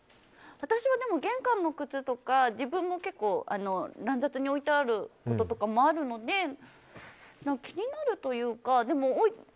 私は玄関の靴とか自分も結構、乱雑に置いてあることもあるので気になるというか。